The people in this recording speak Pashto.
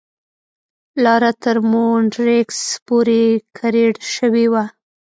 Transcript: لاره تر مونیټریکس پورې کریړ شوې وه.